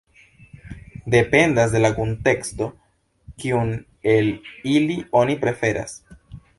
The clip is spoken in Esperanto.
Dependas de la kunteksto, kiun el ili oni preferas.